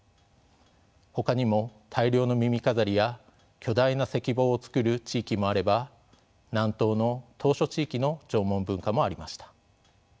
ほかにも大量の耳飾りや巨大な石棒を作る地域もあれば南東の島しょ地域の縄文文化もありました。